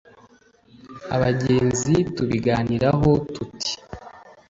abagenzi tubiganiraho tuti